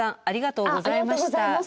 ありがとうございます。